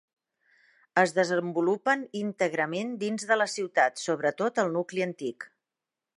Es desenvolupen íntegrament dins de la ciutat, sobretot al nucli antic.